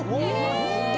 すごい！